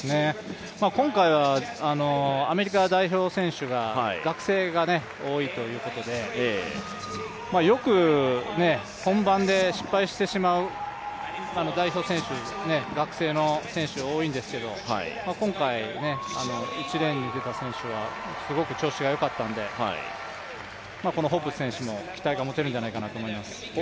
今回、アメリカの代表選手は学生が多いということでよく本番で失敗してしまう代表選手、学生の選手が多いんですけれども、今回、１レーンに出た先週はすごく調子がよかったので、このホッブス選手も期待が持てるんじゃないかと思います。